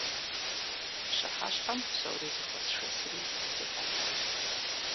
Пщыхьэщхьэм псори зэхуэсшэсри сехъуэхъуащ.